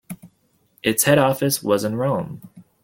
Its head office was in Rome.